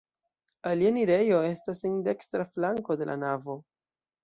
Alia enirejo estas en dekstra flanko de la navo.